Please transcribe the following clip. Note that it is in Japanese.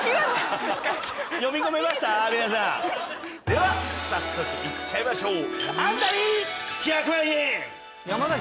では早速いっちゃいましょう。